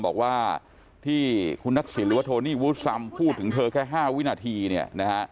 บอกว่าที่คุณศักดิ์สินหรือว่าโทนี่วูสำพูดถึงเธอแค่๕วินาทีเนี่ย